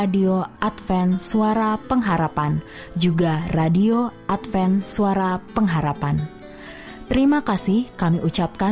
dan sehat secara fisik